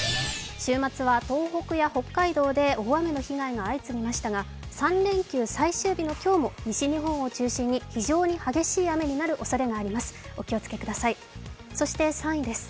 週末は東北や北海道で大雨の被害が相次ぎましたが、３連休最終日の今日も西日本を中心に非常に激しい雨になるおそれがあります。